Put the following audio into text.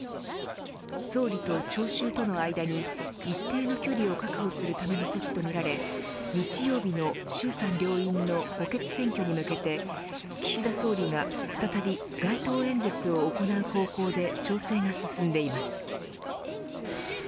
総理と聴衆との間に一定の距離を確保するための措置とみられ日曜日の衆参両院の補欠選挙に向けて岸田総理が、再び街頭演説を行う方向で調整が進んでいます。